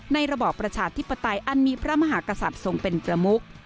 ระบอบประชาธิปไตยอันมีพระมหากษัตริย์ทรงเป็นประมุก